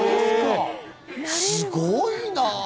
すごいな。